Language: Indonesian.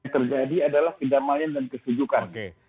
yang terjadi adalah kedamaian dan kesujukan